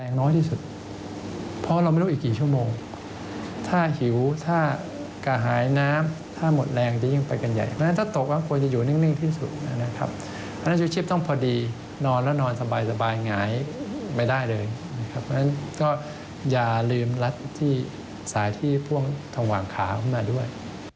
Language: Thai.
ในเทปก่อนข้าขึ้นมาด้วย